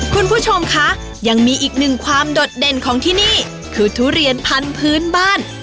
คุณผู้ชมคะยังมีอีกหนึ่งความโดดเด่นของที่นี่คือทุเรียนพันธุ์พื้นบ้าน